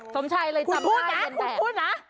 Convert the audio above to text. สมชัยเลยตำนานเย็นแบบคุณพูดนะคุณพูดนะ